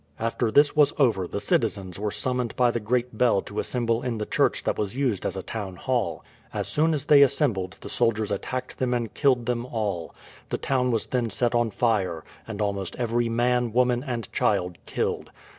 After this was over the citizens were summoned by the great bell to assemble in the church that was used as a town hall. As soon as they assembled the soldiers attacked them and killed them all. The town was then set on fire, and almost every man, woman, and child killed.